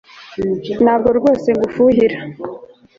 Ntabwo rwose ngufuhira